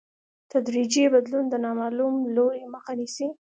تدریجي بدلون د نامعلوم لوري مخه نیسي.